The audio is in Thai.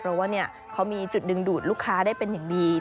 เพราะว่าเขามีจุดดึงดูดลูกค้าได้เป็นอย่างดี